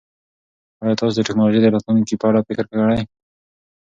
ایا تاسو د ټکنالوژۍ د راتلونکي په اړه فکر کړی؟